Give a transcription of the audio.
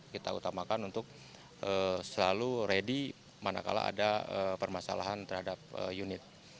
kita utamakan untuk selalu ready manakala ada permasalahan terhadap unit